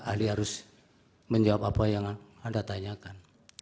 ahli harus menjawab apa yang anda tanyakan